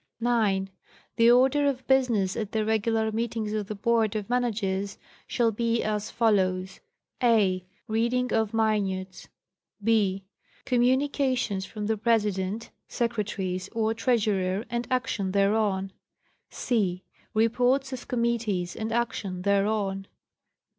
Standing Rules of the Board of Managers. 309 9.—The order of business at the regular meetings of the Board of Managers shall be as follows : a. Reading of minutes. 6. Communications from the President, Secretaries or Treasurer and action thereon. c. Reports of committees and action thereon.